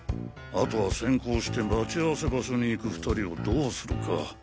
後は先行して待ち合わせ場所に行く２人をどうするか。